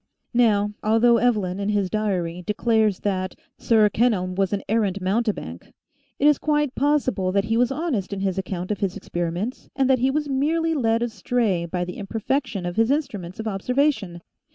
Now, although Evelyn, in his diary, declares that " Sir Kenelm was an errant mountebank," it is quite possible that he was honest in his account of his experiments and that he was merely led astray by the imperfection of his instru ments of observation.